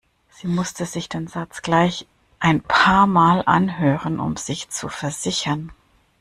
Sie musste sich den Satz gleich ein paarmal anhören um sich zu versichern.